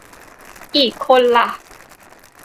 อีกคนละ